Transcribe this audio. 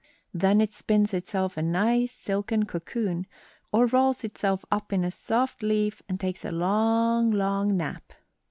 Then it spins itself a nice silken cocoon, or rolls itself up in a soft leaf and takes a long, long nap.